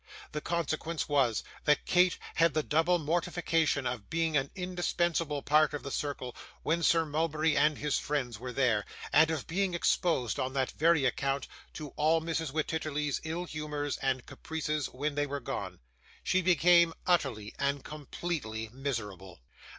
The consequence was, that Kate had the double mortification of being an indispensable part of the circle when Sir Mulberry and his friends were there, and of being exposed, on that very account, to all Mrs. Wititterly's ill humours and caprices when they were gone. She became utterly and completely miserable.